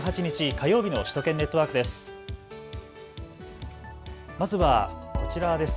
火曜日の首都圏ネットワークです。